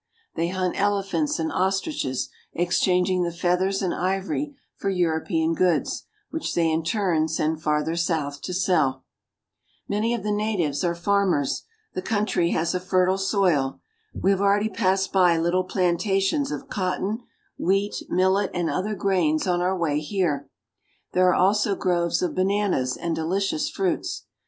They hunt elephants and ostriches, exchanging the feathers and ivory for European goods, which they in turn send farther south to sell. Many of the natives are farmers. The country has a fertile soil. We have already passed by little plantations of cotton, wheat, millet, and other grains on our way here ; there are also groves of bananas and delicious fruits.